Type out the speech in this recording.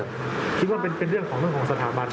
คิดว่าเป็นเรื่องของเรื่องของสถาบันไหมประเภท